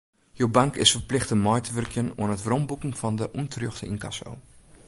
Jo bank is ferplichte mei te wurkjen oan it weromboeken fan de ûnterjochte ynkasso.